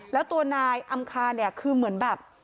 และตัวนายอำคาคือเหมือนแบบ